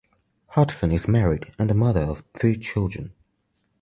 Hodson is married and the mother of three children.